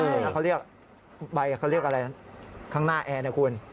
แล้วเขาเรียกใบเขาเรียกอะไรข้างหน้าแอร์นะคุณ